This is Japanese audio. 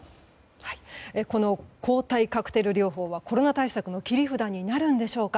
抗体カクテル療法はコロナ対策の切り札になるんでしょうか。